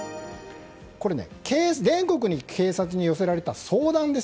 全国の警察に寄せられた相談です。